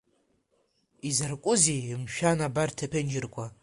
Изаркузеи, мшәан, абарҭ аԥенџьырқәа?